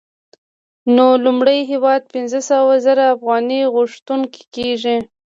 نو لومړی هېواد پنځه سوه زره افغانۍ غوښتونکی کېږي